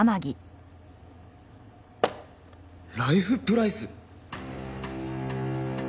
ライフプライス！